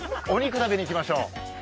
お肉食べに行きましょう。